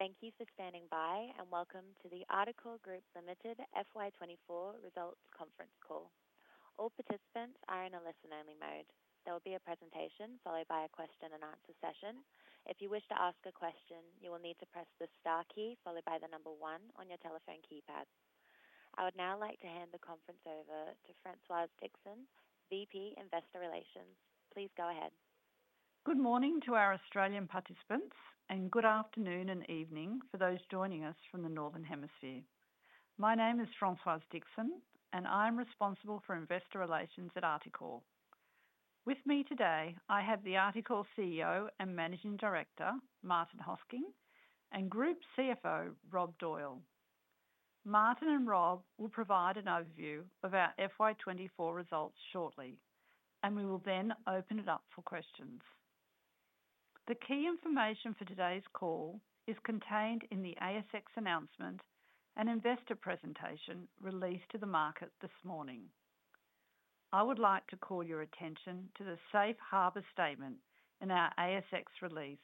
Thank you for standing by, and welcome to the Articore Group Limited FY 24 results conference call. All participants are in a listen-only mode. There will be a presentation followed by a question and answer session. If you wish to ask a question, you will need to press the star key followed by the number one on your telephone keypad. I would now like to hand the conference over to Françoise Dixon, VP, Investor Relations. Please go ahead. Good morning to our Australian participants, and good afternoon and evening for those joining us from the Northern Hemisphere. My name is Françoise Dixon, and I'm responsible for Investor Relations at Articore. With me today, I have the Articore CEO and Managing Director, Martin Hosking, and Group CFO, Rob Doyle. Martin and Rob will provide an overview of our FY 24 results shortly, and we will then open it up for questions. The key information for today's call is contained in the ASX announcement and investor presentation released to the market this morning. I would like to call your attention to the Safe Harbor statement in our ASX release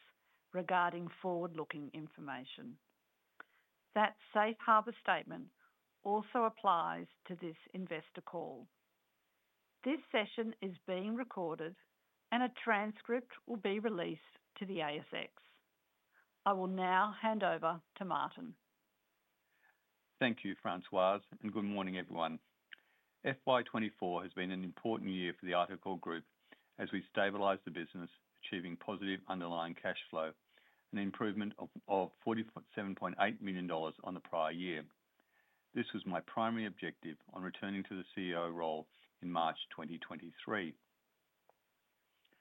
regarding forward-looking information. That Safe Harbor statement also applies to this investor call. This session is being recorded and a transcript will be released to the ASX. I will now hand over to Martin. Thank you, Françoise, and good morning, everyone. FY 2024 has been an important year for the Articore Group as we stabilized the business, achieving positive underlying cash flow, an improvement of 47.8 million dollars on the prior year. This was my primary objective on returning to the CEO role in March 2023.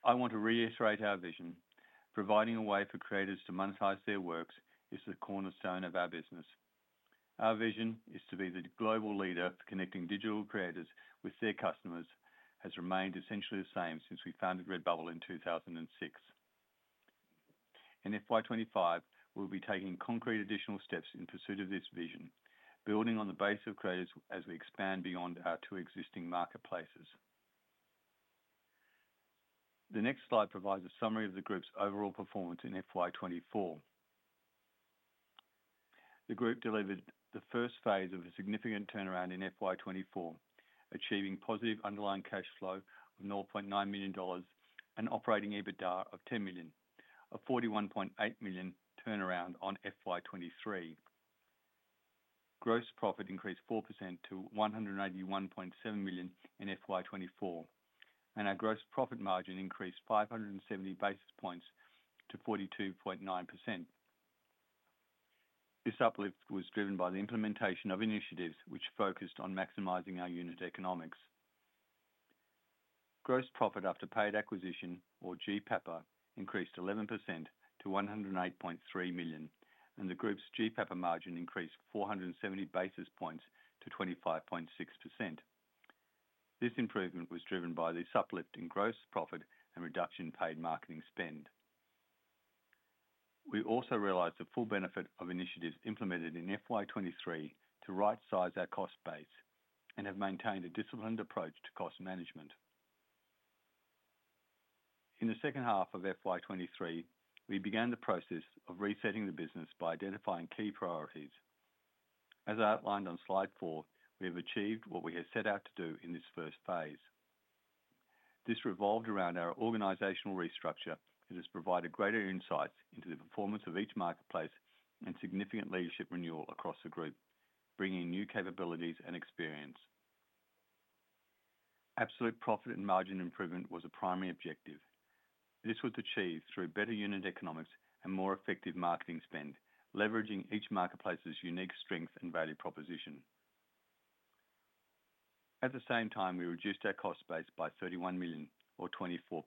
I want to reiterate our vision: providing a way for creators to monetize their works is the cornerstone of our business. Our vision is to be the global leader for connecting digital creators with their customers. It has remained essentially the same since we founded Redbubble in 2006. In FY 2025, we'll be taking concrete additional steps in pursuit of this vision, building on the base of creators as we expand beyond our two existing marketplaces. The next slide provides a summary of the group's overall performance in FY 2024. The group delivered the first phase of a significant turnaround in FY 2024, achieving positive underlying cash flow of 0.9 million dollars, and operating EBITDA of 10 million, a 41.8 million turnaround on FY 2023. Gross profit increased 4% to 181.7 million in FY 2024, and our gross profit margin increased 570 basis points to 42.9%. This uplift was driven by the implementation of initiatives which focused on maximizing our unit economics. Gross profit after paid acquisition, or GPAPA, increased 11% to 108.3 million, and the group's GPAPA margin increased 470 basis points to 25.6%. This improvement was driven by the uplift in gross profit and reduction in paid marketing spend. We also realized the full benefit of initiatives implemented in FY 2023 to rightsize our cost base and have maintained a disciplined approach to cost management. In the second half of FY 2023, we began the process of resetting the business by identifying key priorities. As outlined on slide four, we have achieved what we had set out to do in this first phase. This revolved around our organizational restructure. It has provided greater insights into the performance of each marketplace and significant leadership renewal across the group, bringing new capabilities and experience. Absolute profit and margin improvement was a primary objective. This was achieved through better unit economics and more effective marketing spend, leveraging each marketplace's unique strengths and value proposition. At the same time, we reduced our cost base by 31 million or 24%.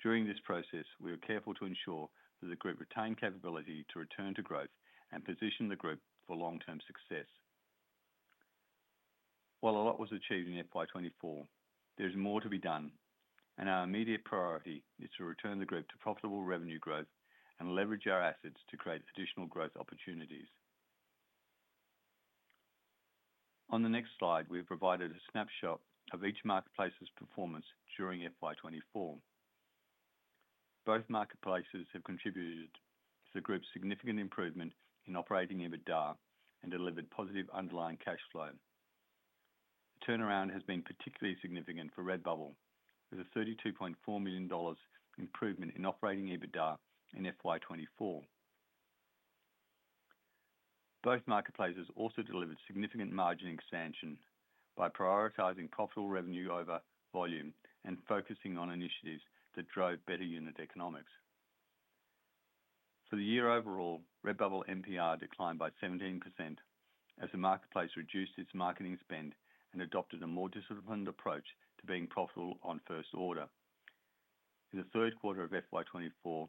During this process, we were careful to ensure that the group retained capability to return to growth and position the group for long-term success. While a lot was achieved in FY 2024, there is more to be done, and our immediate priority is to return the group to profitable revenue growth and leverage our assets to create additional growth opportunities. On the next slide, we've provided a snapshot of each marketplace's performance during FY 2024. Both marketplaces have contributed to the group's significant improvement in operating EBITDA and delivered positive underlying cash flow. The turnaround has been particularly significant for Redbubble, with an AUD 32.4 million improvement in operating EBITDA in FY 2024. Both marketplaces also delivered significant margin expansion by prioritizing profitable revenue over volume and focusing on initiatives that drove better unit economics. For the year overall, Redbubble MPR declined by 17% as the marketplace reduced its marketing spend and adopted a more disciplined approach to being profitable on first order. In the third quarter of FY 2024,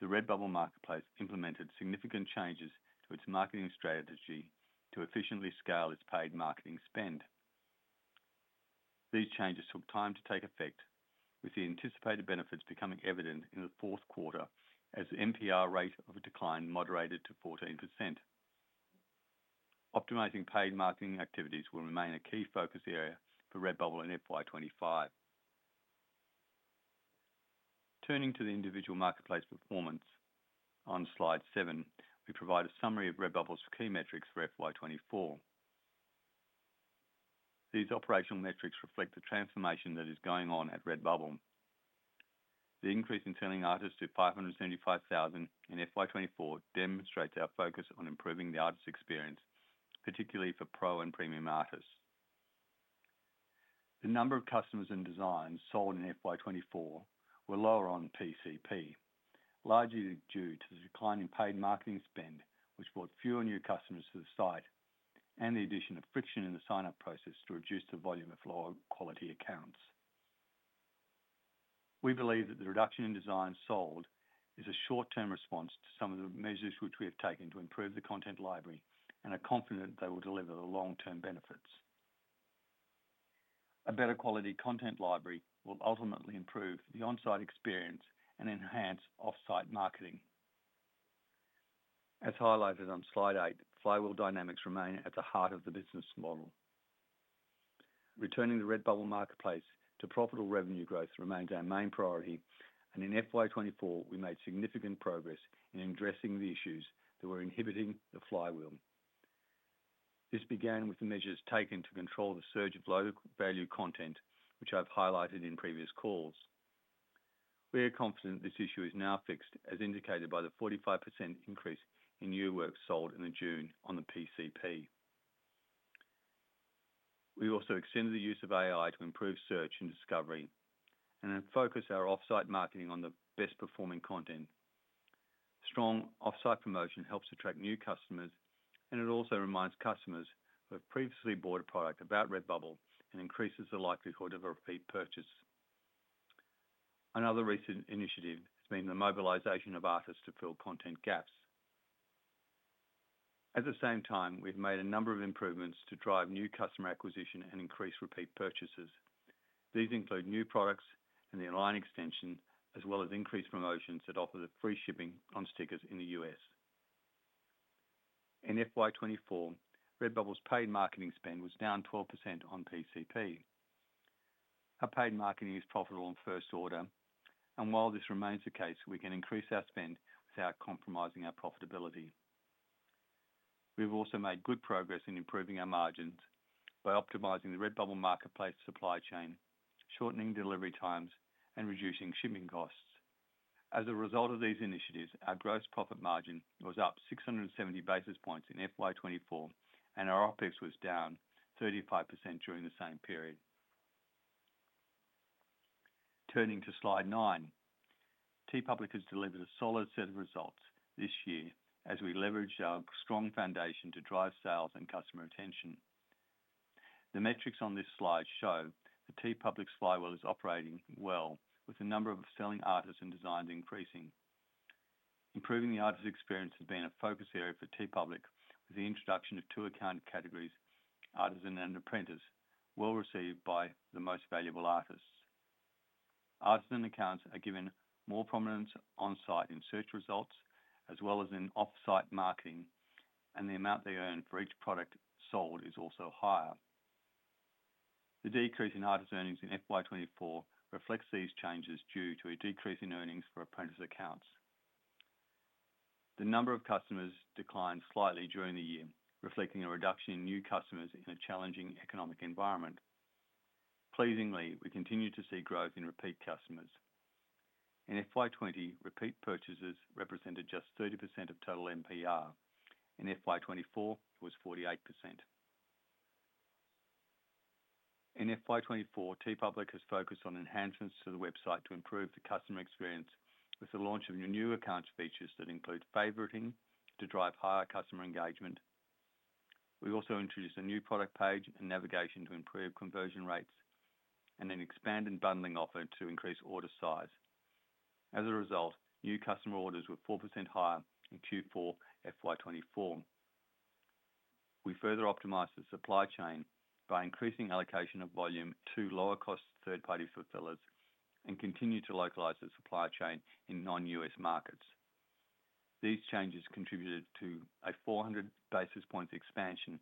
the Redbubble marketplace implemented significant changes to its marketing strategy to efficiently scale its paid marketing spend. These changes took time to take effect, with the anticipated benefits becoming evident in the fourth quarter as the MPR rate of decline moderated to 14%. Optimizing paid marketing activities will remain a key focus area for Redbubble in FY 2025. Turning to the individual marketplace performance. On Slide 7, we provide a summary of Redbubble's key metrics for FY 2024. These operational metrics reflect the transformation that is going on at Redbubble. The increase in selling artists to 575,000 in FY 2024 demonstrates our focus on improving the artist experience, particularly for Pro and Premium artists. The number of customers and designs sold in FY 2024 were lower on PCP, largely due to the decline in paid marketing spend, which brought fewer new customers to the site, and the addition of friction in the sign-up process to reduce the volume of lower quality accounts. We believe that the reduction in designs sold is a short-term response to some of the measures which we have taken to improve the content library, and are confident they will deliver the long-term benefits. A better quality content library will ultimately improve the on-site experience and enhance off-site marketing. As highlighted on Slide 8, flywheel dynamics remain at the heart of the business model. Returning the Redbubble marketplace to profitable revenue growth remains our main priority, and in FY 2024, we made significant progress in addressing the issues that were inhibiting the flywheel. This began with the measures taken to control the surge of low value content, which I've highlighted in previous calls. We are confident this issue is now fixed, as indicated by the 45% increase in new works sold in the June on the PCP. We also extended the use of AI to improve search and discovery, and then focus our off-site marketing on the best-performing content. Strong off-site promotion helps attract new customers, and it also reminds customers who have previously bought a product about Redbubble and increases the likelihood of a repeat purchase. Another recent initiative has been the mobilization of artists to fill content gaps. At the same time, we've made a number of improvements to drive new customer acquisition and increase repeat purchases. These include new products and the line extension, as well as increased promotions that offer the free shipping on stickers in the U.S. In FY 2024, Redbubble's paid marketing spend was down 12% on PCP. Our paid marketing is profitable in first order, and while this remains the case, we can increase our spend without compromising our profitability. We've also made good progress in improving our margins by optimizing the Redbubble marketplace supply chain, shortening delivery times, and reducing shipping costs. As a result of these initiatives, our gross profit margin was up 670 basis points in FY 2024, and our OpEx was down 35% during the same period. Turning to slide 9. TeePublic has delivered a solid set of results this year as we leverage our strong foundation to drive sales and customer retention. The metrics on this slide show the TeePublic's flywheel is operating well, with the number of selling artists and designs increasing. Improving the artist experience has been a focus area for TeePublic, with the introduction of two account categories, Artisan and Apprentice, well-received by the most valuable artists. Artisan accounts are given more prominence on site in search results, as well as in off-site marketing, and the amount they earn for each product sold is also higher. The decrease in artist earnings in FY 2024 reflects these changes due to a decrease in earnings for Apprentice accounts. The number of customers declined slightly during the year, reflecting a reduction in new customers in a challenging economic environment. Pleasingly, we continue to see growth in repeat customers. In FY 2020, repeat purchases represented just 30% of total MPR. In FY 2024, it was 48%. In FY 2024, TeePublic has focused on enhancements to the website to improve the customer experience, with the launch of new account features that include favoriting to drive higher customer engagement. We also introduced a new product page and navigation to improve conversion rates, and an expanded bundling offer to increase order size. As a result, new customer orders were 4% higher in Q4 FY 2024. We further optimized the supply chain by increasing allocation of volume to lower-cost third-party fulfillers and continued to localize the supply chain in non-US markets. These changes contributed to a four hundred basis points expansion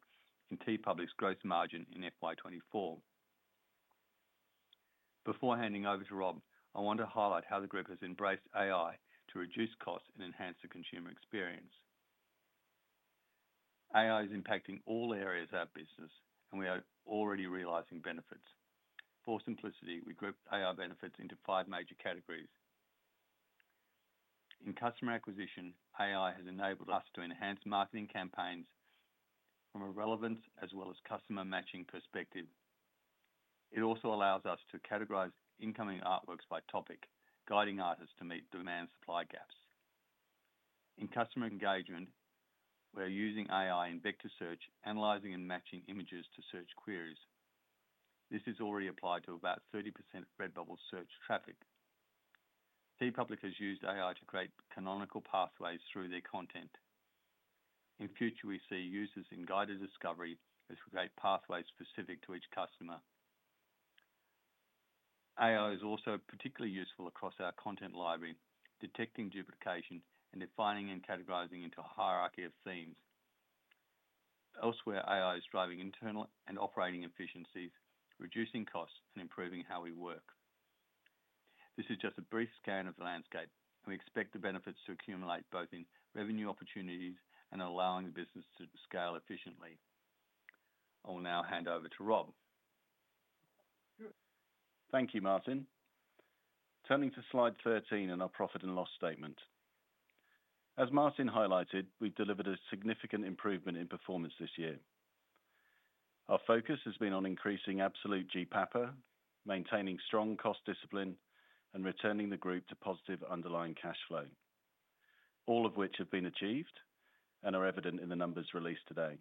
in TeePublic's gross margin in FY 2024. Before handing over to Rob, I want to highlight how the group has embraced AI to reduce costs and enhance the consumer experience. AI is impacting all areas of our business, and we are already realizing benefits. For simplicity, we grouped AI benefits into five major categories. In customer acquisition, AI has enabled us to enhance marketing campaigns from a relevance as well as customer matching perspective. It also allows us to categorize incoming artworks by topic, guiding artists to meet demand and supply gaps. In customer engagement, we are using AI in vector search, analyzing and matching images to search queries. This is already applied to about 30% of Redbubble's search traffic. TeePublic has used AI to create canonical pathways through their content. In future, we see users in guided discovery as we create pathways specific to each customer. AI is also particularly useful across our content library, detecting duplication and defining and categorizing into a hierarchy of themes. Elsewhere, AI is driving internal and operating efficiencies, reducing costs, and improving how we work. This is just a brief scan of the landscape, and we expect the benefits to accumulate both in revenue opportunities and allowing the business to scale efficiently. I will now hand over to Rob. Thank you, Martin. Turning to Slide 13 in our profit and loss statement. As Martin highlighted, we've delivered a significant improvement in performance this year. Our focus has been on increasing absolute GPAPA, maintaining strong cost discipline, and returning the group to positive underlying cash flow. All of which have been achieved and are evident in the numbers released today.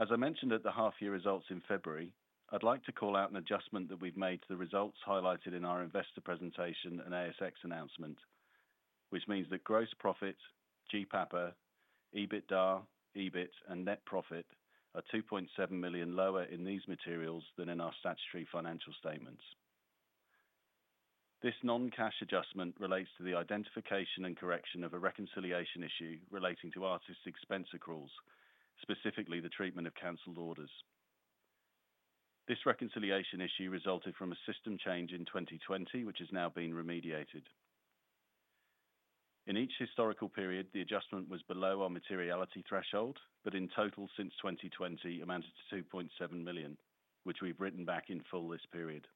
As I mentioned at the half-year results in February, I'd like to call out an adjustment that we've made to the results highlighted in our investor presentation and ASX announcement, which means that gross profit, GPAPA, EBITDA, EBIT, and net profit are 2.7 million lower in these materials than in our statutory financial statements. This non-cash adjustment relates to the identification and correction of a reconciliation issue relating to artists' expense accruals, specifically the treatment of canceled orders. This reconciliation issue resulted from a system change in 2020, which has now been remediated. In each historical period, the adjustment was below our materiality threshold, but in total, since 2020, amounted to 2.7 million, which we've written back in full this period.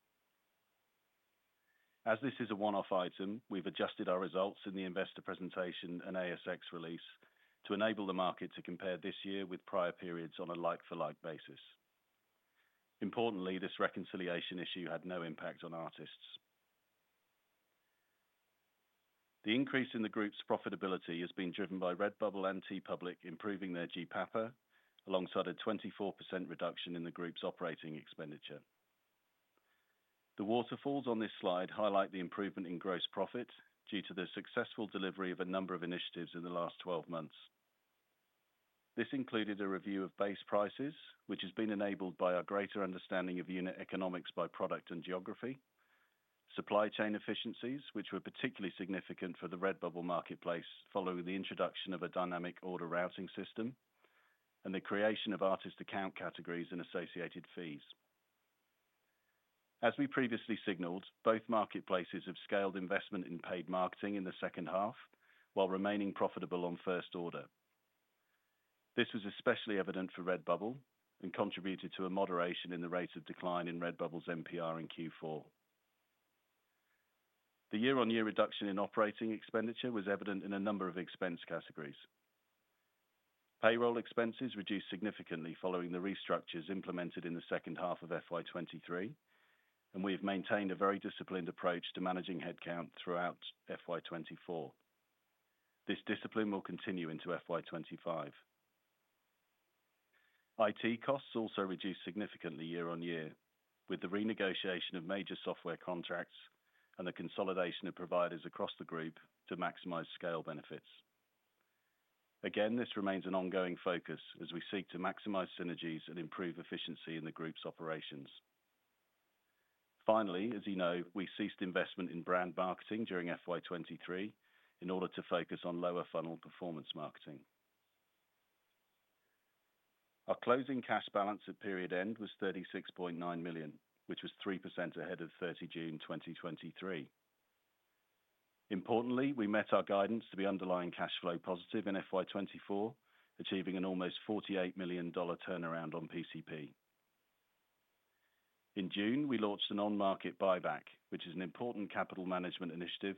As this is a one-off item, we've adjusted our results in the investor presentation and ASX release to enable the market to compare this year with prior periods on a like-for-like basis. Importantly, this reconciliation issue had no impact on artists. The increase in the group's profitability has been driven by Redbubble and TeePublic improving their GPAPA, alongside a 24% reduction in the group's operating expenditure. The waterfalls on this slide highlight the improvement in gross profit due to the successful delivery of a number of initiatives in the last 12 months. This included a review of base prices, which has been enabled by our greater understanding of unit economics by product and geography. Supply chain efficiencies, which were particularly significant for the Redbubble marketplace following the introduction of a dynamic order routing system, and the creation of artist account categories and associated fees. As we previously signaled, both marketplaces have scaled investment in paid marketing in the second half, while remaining profitable on first order. This was especially evident for Redbubble and contributed to a moderation in the rate of decline in Redbubble's MPR in Q4. The year-on-year reduction in operating expenditure was evident in a number of expense categories. Payroll expenses reduced significantly following the restructures implemented in the second half of FY 2023, and we have maintained a very disciplined approach to managing headcount throughout FY 2024. This discipline will continue into FY 2025. IT costs also reduced significantly year-on-year, with the renegotiation of major software contracts and the consolidation of providers across the group to maximize scale benefits. Again, this remains an ongoing focus as we seek to maximize synergies and improve efficiency in the group's operations. Finally, as you know, we ceased investment in brand marketing during FY 2023 in order to focus on lower funnel performance marketing. Our closing cash balance at period end was 36.9 million, which was 3% ahead of 30 June 2023. Importantly, we met our guidance to be underlying cash flow positive in FY 2024, achieving an almost 48 million dollars turnaround on PCP. In June, we launched an on-market buyback, which is an important capital management initiative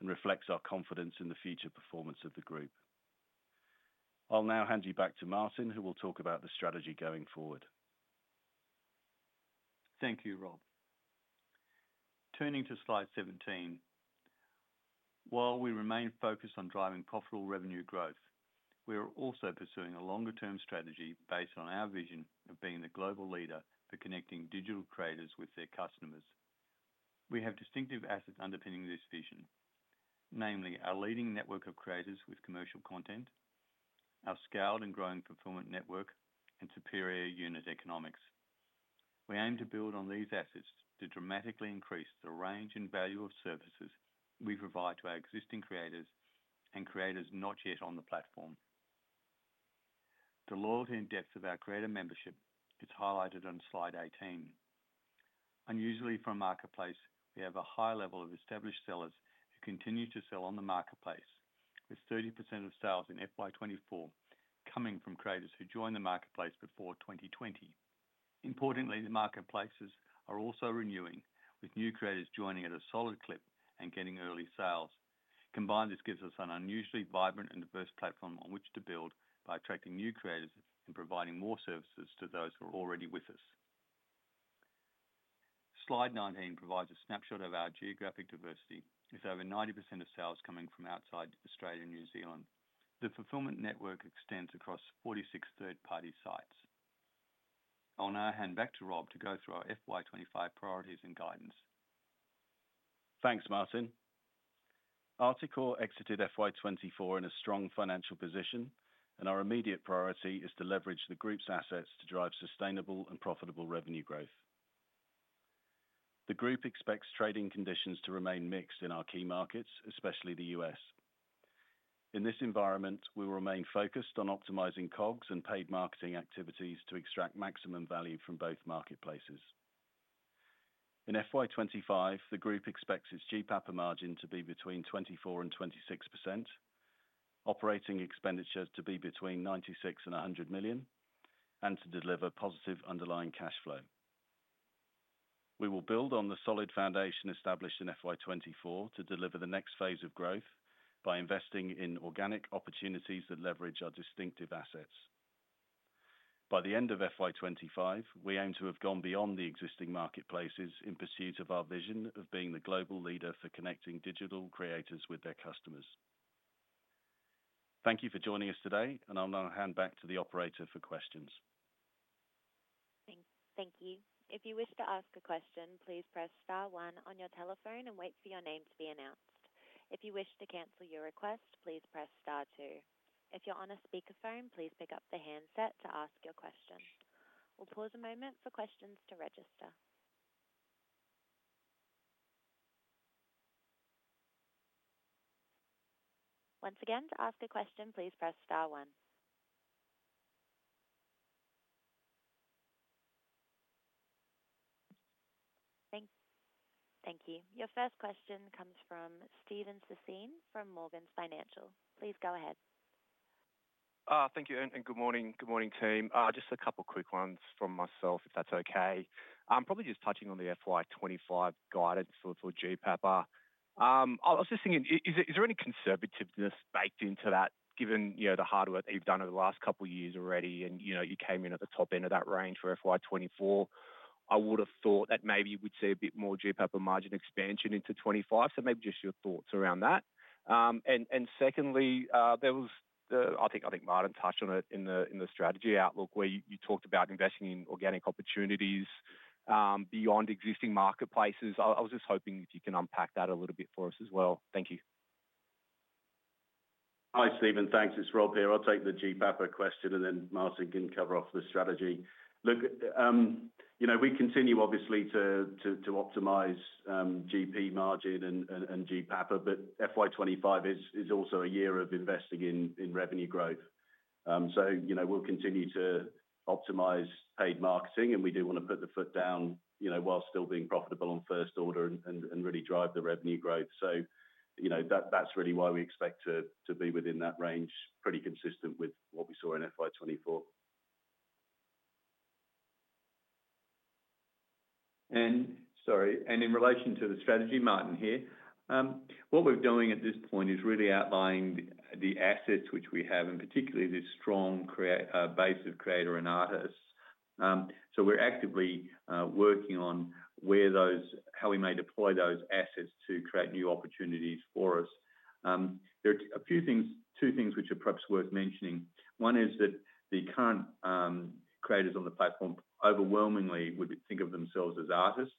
and reflects our confidence in the future performance of the group. I'll now hand you back to Martin, who will talk about the strategy going forward. Thank you, Rob. Turning to Slide 17. While we remain focused on driving profitable revenue growth, we are also pursuing a longer-term strategy based on our vision of being the global leader for connecting digital creators with their customers. We have distinctive assets underpinning this vision, namely, our leading network of creators with commercial content, our scaled and growing fulfillment network, and superior unit economics. We aim to build on these assets to dramatically increase the range and value of services we provide to our existing creators and creators not yet on the platform. The loyalty and depth of our creator membership is highlighted on Slide 18. Unusually for a marketplace, we have a high level of established sellers who continue to sell on the marketplace, with 30% of sales in FY 2024 coming from creators who joined the marketplace before 2020. Importantly, the marketplaces are also renewing, with new creators joining at a solid clip and getting early sales. Combined, this gives us an unusually vibrant and diverse platform on which to build by attracting new creators and providing more services to those who are already with us. Slide 19 provides a snapshot of our geographic diversity, with over 90% of sales coming from outside Australia and New Zealand. The fulfillment network extends across 46 third-party sites. I'll now hand back to Rob to go through our FY 2025 priorities and guidance. Thanks, Martin. Articore exited FY 24 in a strong financial position, and our immediate priority is to leverage the group's assets to drive sustainable and profitable revenue growth. The group expects trading conditions to remain mixed in our key markets, especially the U.S. In this environment, we will remain focused on optimizing COGS and paid marketing activities to extract maximum value from both marketplaces. In FY 25, the group expects its GPAPA margin to be between 24% and 26%, operating expenditures to be between 96 million and 100 million, and to deliver positive underlying cash flow. We will build on the solid foundation established in FY 24 to deliver the next phase of growth by investing in organic opportunities that leverage our distinctive assets. By the end of FY 2025, we aim to have gone beyond the existing marketplaces in pursuit of our vision of being the global leader for connecting digital creators with their customers. Thank you for joining us today, and I'll now hand back to the operator for questions. Thank you. If you wish to ask a question, please press star one on your telephone and wait for your name to be announced. If you wish to cancel your request, please press star two. If you're on a speakerphone, please pick up the handset to ask your question. We'll pause a moment for questions to register. Once again, to ask a question, please press star one. Thank you. Your first question comes from Steven Sassine from Morgans Financial. Please go ahead. Thank you, and good morning. Good morning, team. Just a couple quick ones from myself, if that's okay. Probably just touching on the FY 2025 guidance for GPAPA. I was just thinking, is there any conservativeness baked into that, given, you know, the hard work that you've done over the last couple of years already, and, you know, you came in at the top end of that range for FY 2024? I would have thought that maybe you would see a bit more GPAPA margin expansion into 2025, so maybe just your thoughts around that. And secondly, there was the... I think Martin touched on it in the strategy outlook, where you talked about investing in organic opportunities, beyond existing marketplaces. I was just hoping if you can unpack that a little bit for us as well. Thank you. Hi, Steven. Thanks. It's Rob here. I'll take the GPAPA question, and then Martin can cover off the strategy. Look, you know, we continue obviously to optimize GP margin and GPAPA, but FY 2025 is also a year of investing in revenue growth. So, you know, we'll continue to optimize paid marketing, and we do want to put the foot down, you know, while still being profitable on first order and really drive the revenue growth. So, you know, that's really why we expect to be within that range, pretty consistent with what we saw in FY 2024. Sorry, in relation to the strategy, Martin here. What we're doing at this point is really outlining the assets which we have, and particularly this strong creator base of creators and artists. So we're actively working on how we may deploy those assets to create new opportunities for us. There are a few things, two things which are perhaps worth mentioning. One is that the current creators on the platform overwhelmingly would think of themselves as artists,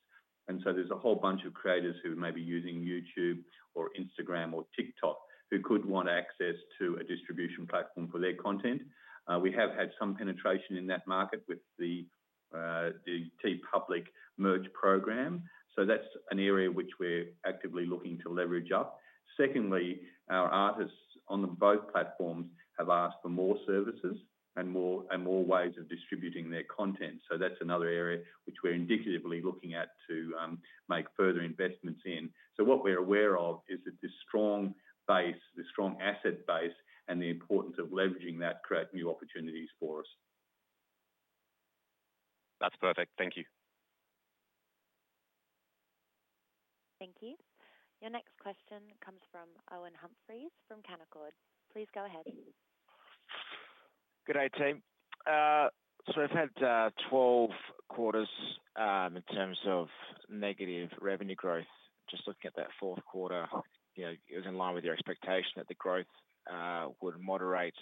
and so there's a whole bunch of creators who may be using YouTube or Instagram or TikTok, who could want access to a distribution platform for their content. We have had some penetration in that market with the TeePublic Merch program, so that's an area which we're actively looking to leverage up. Secondly, our artists on both platforms have asked for more services and more ways of distributing their content. So that's another area which we're indicatively looking at to make further investments in. So what we're aware of is that this strong base, this strong asset base, and the importance of leveraging that, create new opportunities for us. That's perfect. Thank you. Thank you. Your next question comes from Owen Humphries from Canaccord. Please go ahead. Good day, team. So we've had 12 quarters in terms of negative revenue growth. Just looking at that fourth quarter, you know, it was in line with your expectation that the growth would moderate.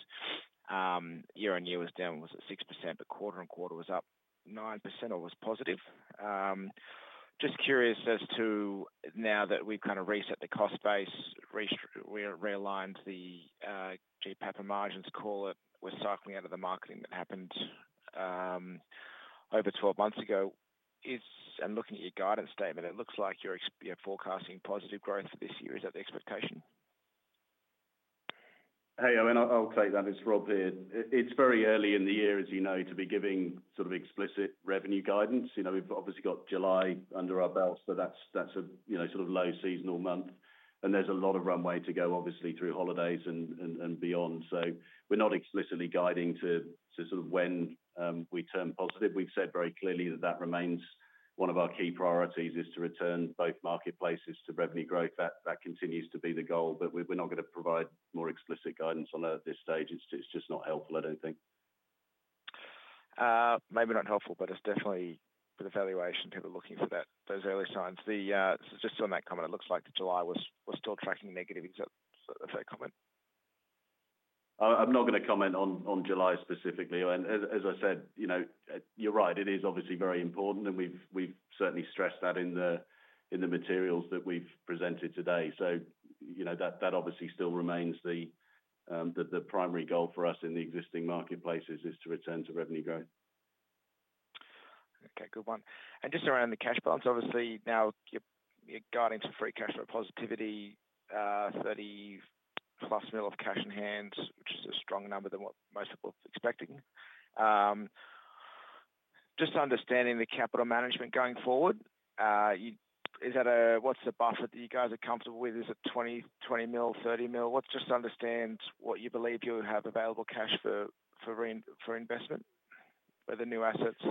Year-on-year was down, was it 6%, but quarter on quarter was up 9% or was positive. Just curious as to, now that we've kind of reset the cost base, realigned the GPAPA margins, call it, we're cycling out of the marketing that happened over 12 months ago. And looking at your guidance statement, it looks like you're forecasting positive growth for this year. Is that the expectation? Hey, Owen, I'll take that. It's Rob here. It's very early in the year, as you know, to be giving sort of explicit revenue guidance. You know, we've obviously got July under our belts, so that's a you know sort of low seasonal month, and there's a lot of runway to go, obviously, through holidays and beyond. So we're not explicitly guiding to sort of when we turn positive. We've said very clearly that that remains one of our key priorities, is to return both marketplaces to revenue growth. That continues to be the goal, but we're not gonna provide more explicit guidance on that at this stage. It's just not helpful, I don't think. Maybe not helpful, but it's definitely for the valuation, people looking for that, those early signs. Just on that comment, it looks like July was still tracking negative. Is that correct? I'm not gonna comment on July specifically, Owen. As I said, you know, you're right, it is obviously very important, and we've certainly stressed that in the materials that we've presented today. So, you know, that obviously still remains the primary goal for us in the existing marketplaces is to return to revenue growth. Okay, good one. Just around the cash balance, obviously, now you're guiding to free cash flow positivity, 30+ mil of cash in hand, which is a stronger number than what most people were expecting. Just understanding the capital management going forward, what's the buffer that you guys are comfortable with? Is it 20 mil, 30 mil? Let's just understand what you believe you have available cash for investment, whether new assets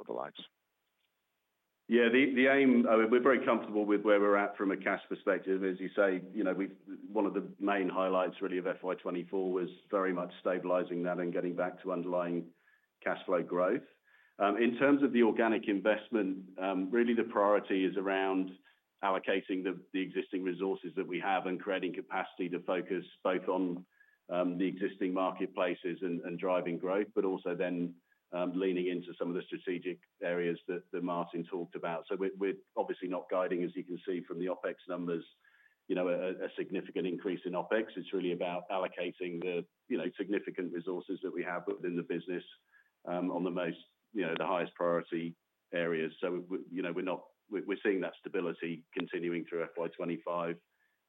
or the likes. Yeah, the aim, I mean, we're very comfortable with where we're at from a cash perspective. As you say, you know, we've one of the main highlights really of FY 24 was very much stabilizing that and getting back to underlying cash flow growth. In terms of the organic investment, really the priority is around allocating the existing resources that we have and creating capacity to focus both on the existing marketplaces and driving growth, but also then leaning into some of the strategic areas that Martin talked about. So we're obviously not guiding, as you can see from the OpEx numbers, you know, a significant increase in OpEx. It's really about allocating the, you know, significant resources that we have within the business, on the most, you know, the highest priority areas. You know, we're seeing that stability continuing through FY 25,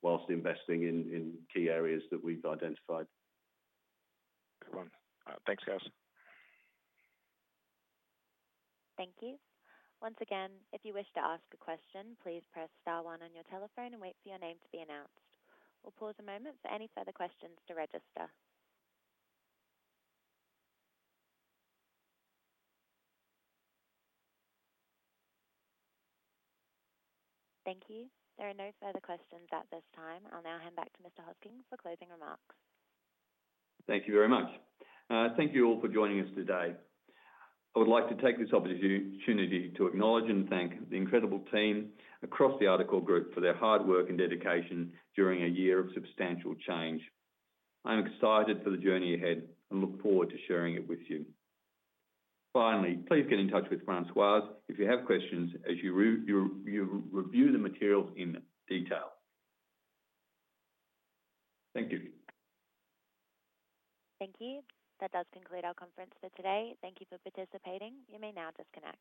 while investing in key areas that we've identified. Good one. Thanks, guys. Thank you. Once again, if you wish to ask a question, please press star one on your telephone and wait for your name to be announced. We'll pause a moment for any further questions to register. Thank you. There are no further questions at this time. I'll now hand back to Mr. Hosking for closing remarks. Thank you very much. Thank you all for joining us today. I would like to take this opportunity to acknowledge and thank the incredible team across the Articore Group for their hard work and dedication during a year of substantial change. I'm excited for the journey ahead and look forward to sharing it with you. Finally, please get in touch with Françoise if you have questions, as you review the materials in detail. Thank you. Thank you. That does conclude our conference for today. Thank you for participating. You may now disconnect.